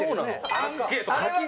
アンケート書き。